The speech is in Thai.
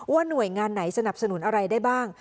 หน่วยงานไหนสนับสนุนอะไรได้บ้าง